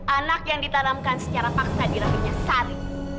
anak yang ditanamkan secara paksa dirahimnya sari